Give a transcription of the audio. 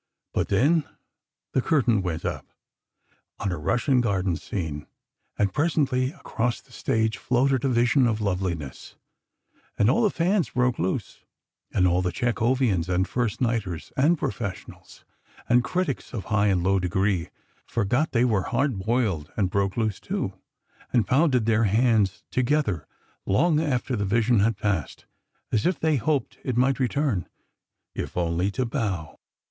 But then the curtain went up ... on a Russian garden scene, and presently, across the stage, floated a vision of loveliness, and all the fans broke loose. And all the Chekhovians, and first nighters, and professionals, and critics of high and low degree, forgot they were hard boiled, and broke loose, too, and pounded their hands together long after the vision had passed, as if they hoped it might return, if only to bow.